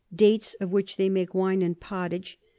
Dates, of which they make Wine and Pottage.